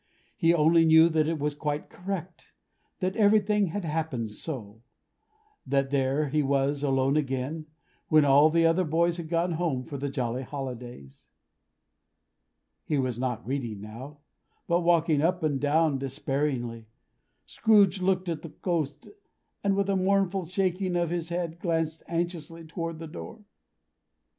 He only knew that it was quite correct: that everything had happened so: that there he was, alone again, when all the other boys had gone home for the jolly holidays. He was not reading now, but walking up and down despairingly. Scrooge looked at the Ghost, and with a mournful shaking of his head, glanced anxiously toward the door.